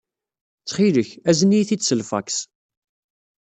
Ttxil-k, azen-iyi-t-id s lfaks.